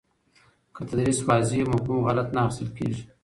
که تدریس واضح وي، مفهوم غلط نه اخیستل کېږي.